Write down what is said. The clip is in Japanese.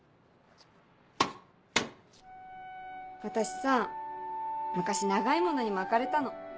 私さ昔長い物に巻かれたの。